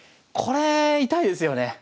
これ痛いですよね。